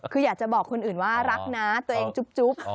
คืออยากจะบอกคนอื่นว่ารักนะตัวเองจุ๊บ